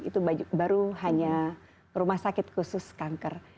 itu baru hanya rumah sakit khusus kanker